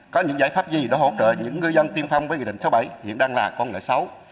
có những giải pháp gì để hỗ trợ những ngư dân tiên phong với nghị định sáu mươi bảy hiện đang là con nợ xấu